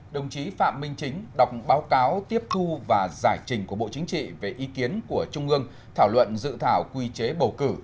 đồng chí phạm minh chính đọc báo cáo tiếp thu và giải trình của bộ chính trị về ý kiến của trung ương thảo luận dự thảo quy chế bầu cử